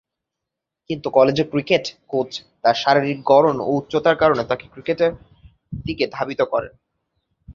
কিন্তু কলেজের cricket coach তার শারীরিক গড়ন ও উচ্চতার কারণে তাকে ক্রিকেটের দিকে ধাবিত করেন।